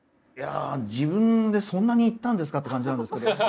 いやあ自分でそんなに行ったんですかって感じなんですけど。